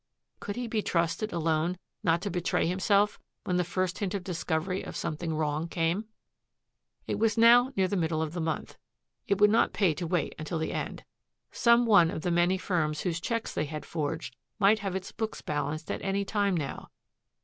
Could he be trusted alone not to betray himself when the first hint of discovery of something wrong came? It was now near the middle of the month. It would not pay to wait until the end. Some one of the many firms whose checks they had forged might have its book balanced at any time now.